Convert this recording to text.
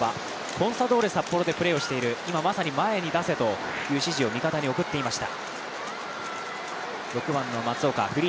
コンサドーレ札幌でプレーをしている、今まさに前に出せという指示を味方に送っていました。